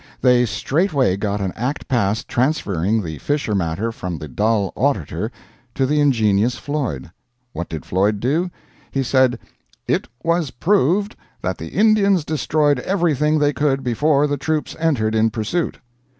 They straight way got an act passed transferring the Fisher matter from the dull Auditor to the ingenious Floyd. What did Floyd do? He said, "IT WAS PROVED that the Indians destroyed everything they could before the troops entered in pursuit."